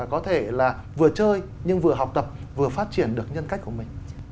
có thể là vừa chơi nhưng vừa học tập vừa phát triển được nhân cách của mình